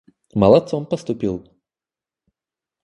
Молодцом поступил!